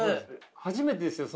初めてですよ